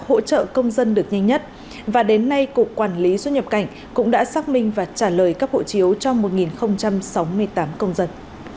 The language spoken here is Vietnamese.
hỗ trợ công dân được nhanh nhất và đến nay cục quản lý xuất nhập cảnh cũng đã xác minh và trả lời cấp hộ chiếu cho một sáu mươi tám công dân